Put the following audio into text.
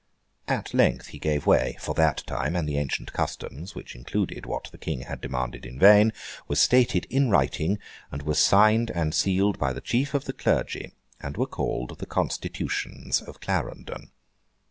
At length he gave way, for that time, and the ancient customs (which included what the King had demanded in vain) were stated in writing, and were signed and sealed by the chief of the clergy, and were called the Constitutions of Clarendon.